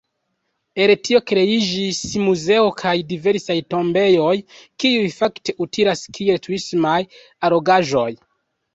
El tio kreiĝis muzeo kaj diversaj tombejoj, kiuj fakte utilas kiel turismaj allogaĵoj.